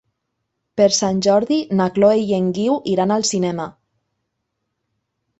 Per Sant Jordi na Chloé i en Guiu iran al cinema.